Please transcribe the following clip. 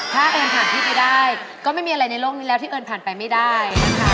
ถ้าเอิญผ่านที่ไปได้ก็ไม่มีอะไรในโลกนี้แล้วที่เอิญผ่านไปไม่ได้นะคะ